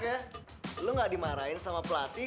kamu tidak dimarahi oleh pelatih